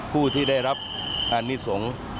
ผู้ที่ได้รับอนิสงฆ์